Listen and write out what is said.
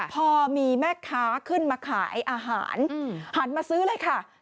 พอมีแม่ค้าขึ้นมาขายอาหารหันมาซื้อเลยค่ะ